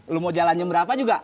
lu mau jalanin berapa juga